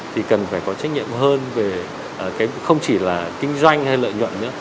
thì cần phải có trách nhiệm hơn về không chỉ là kinh doanh hay lợi nhuận nữa